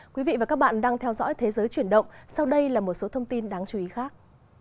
quý vị và các bạn đang theo dõi thế giới chuyển động sau đây là một số thông tin đáng chú ý khác